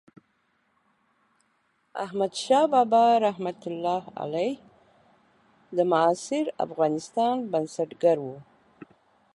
احمدشاه بابا رحمة الله علیه د معاصر افغانستان بنسټګر و.